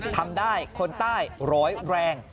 ทำได้คนใต้ร้อยแรง